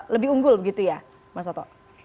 lebih unggul begitu ya mas soto